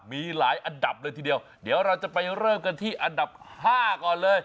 มีหลายอันดับเลยทีเดียวเดี๋ยวเราจะไปเริ่มกันที่อันดับ๕ก่อนเลย